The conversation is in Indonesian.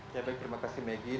ya baik terima kasih maggie